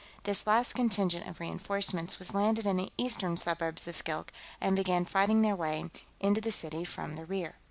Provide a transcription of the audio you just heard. This last contingent of reenforcements was landed in the eastern suburbs of Skilk and began fighting their way into the city from the rear.